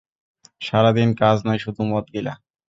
সারাদিন কাজ নাই, শুধু মদ গিলা।